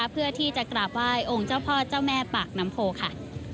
เพื่อที่จะกราบไหว้องค์เจ้าพ่อเจ้าแม่ปากน้ำโพค่ะ